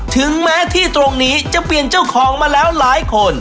ถึงแม้ที่ตรงนี้จะเปลี่ยนเจ้าของมาแล้วหลายคน